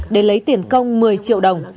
để lấy tiền công một mươi triệu đồng